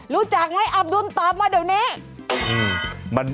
รู้จักไหมอับดุลตอบมาเดี๋ยวนี้